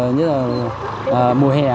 nhất là mùa hè